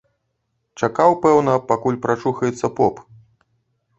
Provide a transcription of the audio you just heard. Чакаў, пэўна, пакуль прачухаецца поп.